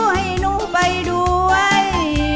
ให้หนูไปด้วย